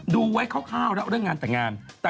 ดูไว้คร่าวแล้วเรื่องงานแต่งงาน